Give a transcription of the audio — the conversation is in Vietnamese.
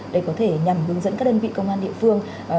để có thể nhằm hướng dẫn các đơn vị công an địa phương